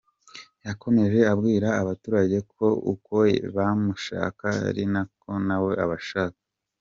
Yakomeje abwira abaturage ko uko bamushaka ari nako na we abashaka.